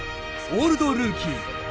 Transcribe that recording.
「オールドルーキー」